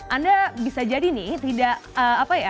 anda bisa jadi nih tidak apa ya